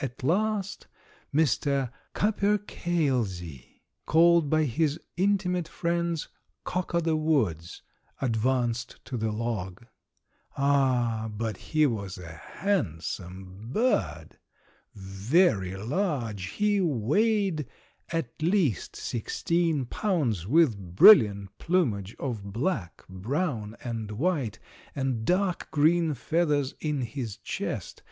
At last Mr. Capercailzie, called by his intimate friends Cock o' the woods, advanced to the log. Ah, but he was a handsome bird! Very large, he weighed at least sixteen pounds, with brilliant plumage of black, brown and white, and dark green feathers in his chest.